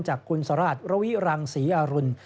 จากคุณสราชรวรรวิรังษีอออรุณ